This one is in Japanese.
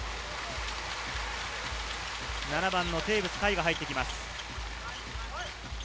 ７番のテーブス海が入ってきます。